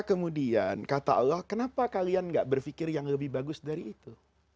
kemudian kata allah kenapa kalian gak berpikir yang lebih bagus dari itu